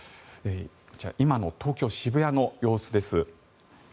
今の東京・渋谷の様子です。